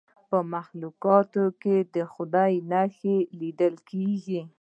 په مخلوقاتو کې د خدای نښې لیدل کیږي.